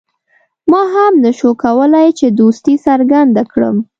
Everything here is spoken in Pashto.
ما هم نه شو کولای چې دوستي څرګنده کړم.